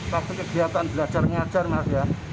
pasti kegiatan belajar ngajar mas ya